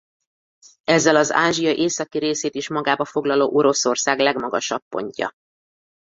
Ezzel az Ázsia északi részét is magába foglaló Oroszország legmagasabb pontja.